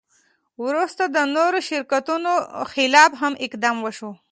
وروسته د نورو شرکتونو خلاف هم اقدام وشو.